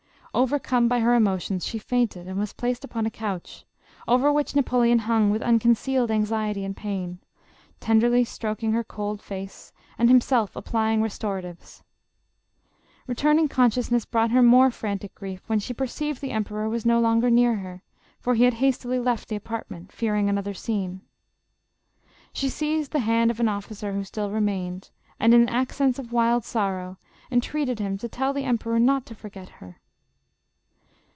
Overcome by her emotions, she fainted and was placed upon a couch, over which Napoleon hung with unconcealed anxiety and pain, tenderly stroking her cold face and himself applying restoratives. Returnin g consciousness brought her more frantic grief, when she perceived the emperor was no longer near her, for he had hastily left the apartment, fearing another scene. She seized the hand of an officer who still remained, and in accents of wild sorrow, entreated him to tell the emperor not to forget her.